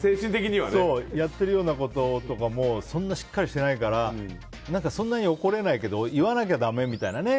やってるようなこともそんなにしっかりしてないから何か、そんなに怒れないけど言わなきゃだめみたいな。